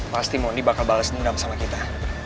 pasti mondi bakal bales nendang sama kita